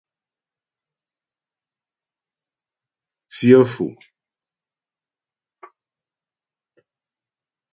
Tsyə́ Fò.